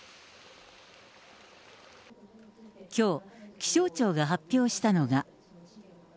きょう、気象庁が発表したのが。